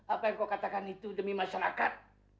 apa yang kau katakan itu demi masyarakat